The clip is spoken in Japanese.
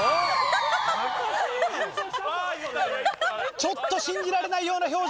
ちょっと信じられないような表情。